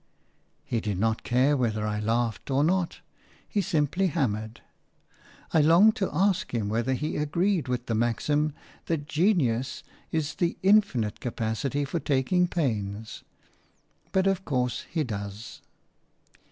He did not care whether I laughed or not; he simply hammered. I longed to ask him whether he agreed with the maxim that genius is the infinite capacity for taking pains; but of course he does.